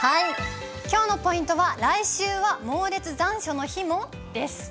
きょうのポイントは、来週は猛烈残暑の日も？です。